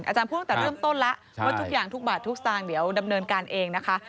อาจารย์พูดตั้งแต่เริ่มต้นแล้วว่าทุกอย่างทุกบาททุกสตางค์เดี๋ยวดำเนินการเองนะคะ